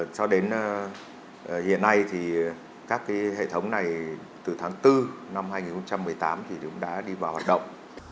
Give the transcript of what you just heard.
cho đến hiện nay thì các hệ thống này từ tháng bốn năm hai nghìn một mươi tám cũng đã đi vào hoạt động